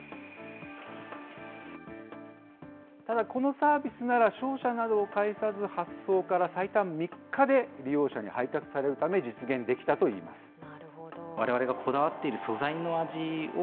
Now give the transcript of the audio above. ただ、このサービスなら、商社などを介さず、発送から最短３日で利用者に配達されるため、実現できたといいます。